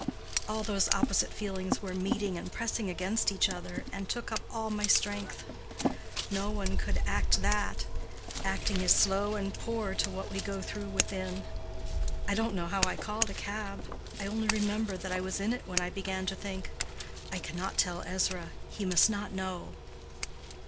All those opposite feelings were meeting and pressing against each other, and took up all my strength. No one could act that. Acting is slow and poor to what we go through within. I don't know how I called a cab. I only remember that I was in it when I began to think, 'I cannot tell Ezra; he must not know.